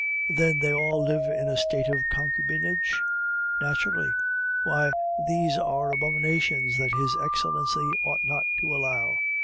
"Then they all live in a state of concubinage?" "Naturally." "Why, these are abominations that his Excellency ought not to allow.